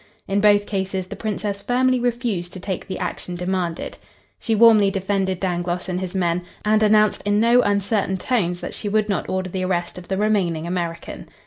In both cases the Princess firmly refused to take the action demanded. She warmly defended Dangloss and his men, and announced in no uncertain tones that she would not order the arrest of the remaining American.